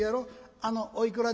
あのおいくらで？」。